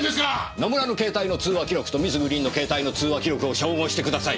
野村の携帯の通話記録とミス・グリーンの携帯の通話記録を照合してください。